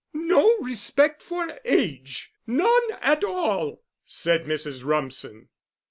"No respect for age! None at all!" said Mrs. Rumsen.